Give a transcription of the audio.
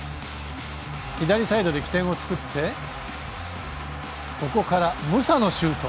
左サイドで起点を作ってここから、ムサのシュート。